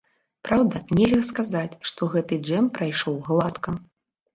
Праўда, нельга сказаць, што гэты джэм прайшоў гладка.